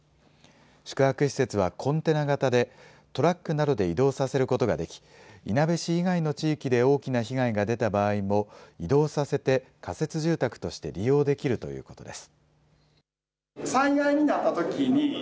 宿泊施設はコンテナ型でトラックなどで移動させることができいなべ市以外の地域で大きな被害が出た場合も移動させて、仮設住宅として利用できるということです。